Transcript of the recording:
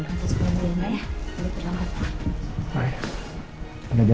masnya terburu ante